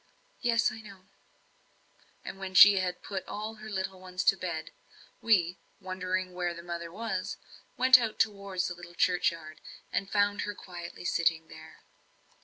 "Yes, I know." And when she had put all her little ones to bed we, wondering where the mother was, went out towards the little churchyard, and found her quietly sitting there.